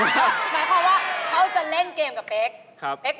หมายความว่าเขาจะเล่นเกมกับเป๊ก